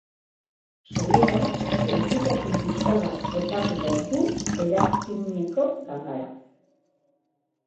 Zorionez, lasaitasun pixka bat topatuko du eraikineko ganbaran.